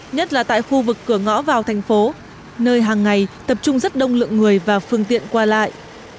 nhất là tại khu vực cửa ngõ vào thành phố nơi hàng ngày tập trung rất đông lượng người và phương tiện qua lại